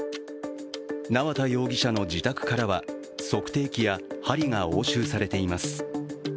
縄田容疑者の自宅からは測定器や針が押収されています。